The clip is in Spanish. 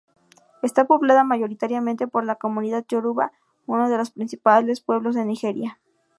Está poblada mayoritariamente por la comunidad Yoruba, uno de los principales pueblos de Nigeria.